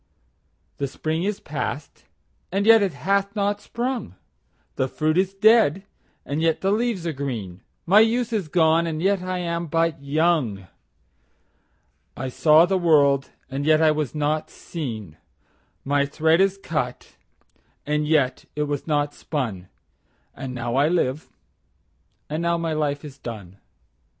7The spring is past, and yet it hath not sprung,8The fruit is dead, and yet the leaves are green,9My youth is gone, and yet I am but young,10I saw the world, and yet I was not seen,11My thread is cut, and yet it was not spun,12And now I live, and now my life is done.